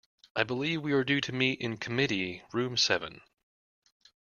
I believe we are due to meet in committee room seven.